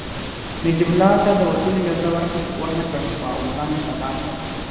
نجیب الله ته د وتلو اجازه ورنکړل شوه او ځان يې په دار کړ